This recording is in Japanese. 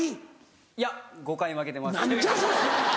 いや５回負けてます。